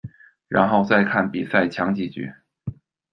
然后再看比赛抢几局。